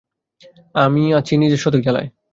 আমি আছি নিজের শতেক জ্বালায়।